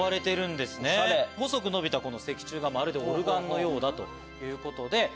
細く伸びた石柱がオルガンのようだ！ということで。